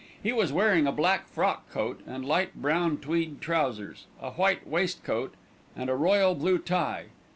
He was wearing a black frock coat and light brown tweed trousers, a white waistcoat and a royal blue tie.